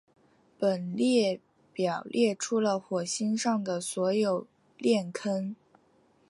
本列表列出了火星上的所有链坑。